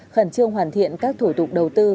khẩn trương hoàn thiện các thủ tục đầu tư